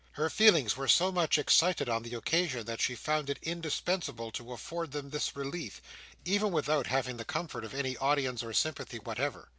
Her feelings were so much excited on the occasion, that she found it indispensable to afford them this relief, even without having the comfort of any audience or sympathy whatever.